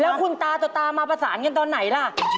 แล้วคุณตาต่อตามาประสานกันตอนไหนล่ะ